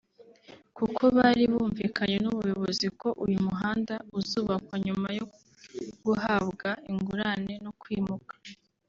kuko bari bumvikanye n’ubuyobozi ko uyu muhanda uzubakwa nyuma yo guhabwa ingurane no kwimuka